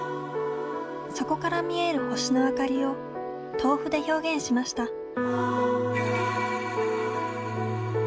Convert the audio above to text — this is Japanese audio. そこから見える星の灯りを豆腐で表現しました。